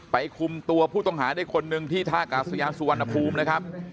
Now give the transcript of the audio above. คุมตัวผู้ต้องหาได้คนหนึ่งที่ท่ากาศยานสุวรรณภูมินะครับ